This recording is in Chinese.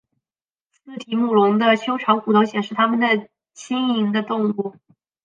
似提姆龙的修长骨头显示它们的轻盈的动物。